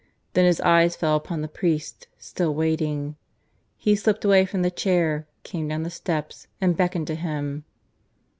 Then his eyes fell upon the priest, still waiting: he slipped away from the chair, came down the steps, and beckoned to him.